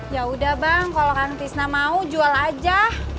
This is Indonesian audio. ya udah bang kalo kang fisna mau jual aja